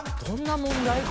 どんな問題？